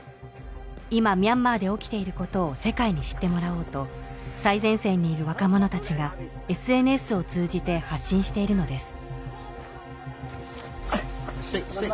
今ミャンマーで起きていることを世界に知ってもらおうと最前線にいる若者たちがＳＮＳを通じて発信しているのです